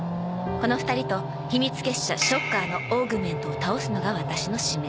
この２人と秘密結社 ＳＨＯＣＫＥＲ のオーグメントを倒すのがワタシの使命